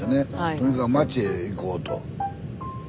とにかく町へ行こうと。